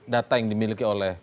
data yang dimiliki oleh pak sbi